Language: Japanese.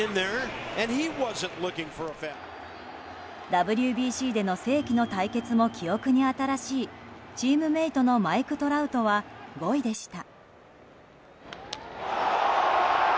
ＷＢＣでの世紀の対決も記憶に新しいチームメートのマイク・トラウトは５位でした。